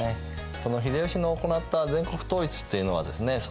その秀吉の行った全国統一っていうのはですね